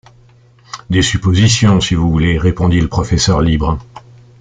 Des suppositions, si vous voulez, répondit le professeur libre.